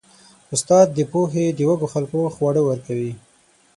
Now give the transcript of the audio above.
استاد د پوهې د وږو خلکو خواړه ورکوي.